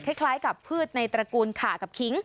คล้ายกับพืชในตระกูลขากับขิง